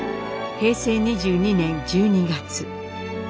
平成２２年１２月。